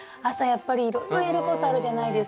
やっぱりいろいろやることあるじゃないですか。